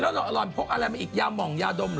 แล้วหล่อนพกอะไรมาอีกยาหมองยาดมเหรอ